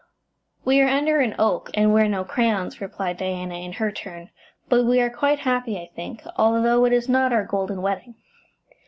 "We are under an oak and wear no crowns," replied Diana in her turn, "but we are quite as happy, I think, although it is not our golden wedding."